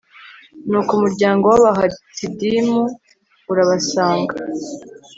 nuko umuryango w'abahasidimu urabasanga